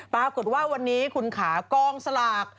ปรากฏว่าวันนี้คุณขากองสลาก